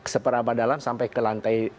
sepera padalam sampai kelasnya